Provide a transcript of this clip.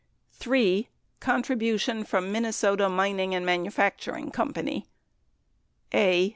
III. CONTRIBUTION FROM MINNESOTA MINING AND MANUFACTURING COMPANY A.